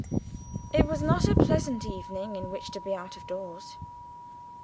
It was not a pleasant evening in which to be out of doors.